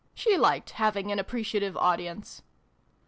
She liked having an appreci ative audience.)